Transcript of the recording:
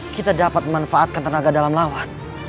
kita dapat memanfaatkan tenaga dalam lawan